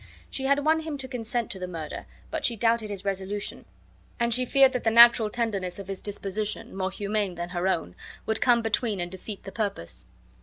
She had won him to consent to the murder, but she doubted his resolution; and she feared that the natural tenderness of his disposition (more humane than her own) would come between and defeat the purpose.